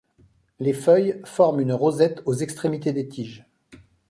Les feuilles forment une rosette aux extrémités des tiges.